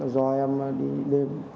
do em đi đêm